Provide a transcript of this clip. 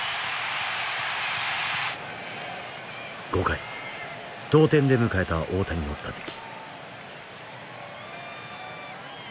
５回同点で迎えた大谷の打席。